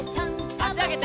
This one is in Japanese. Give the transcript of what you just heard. あしあげて。